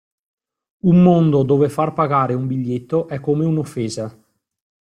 Un mondo dove far pagare un biglietto è come un'offesa.